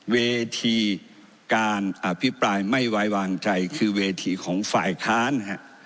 เวทีการอภิปรายไม่ไว้วางใจคือเวทีของฝ่ายค้าน